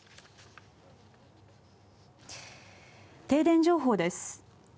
停電情報です。